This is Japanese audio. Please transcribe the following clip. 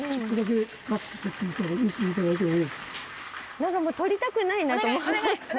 なんかもう取りたくないなと思っちゃう。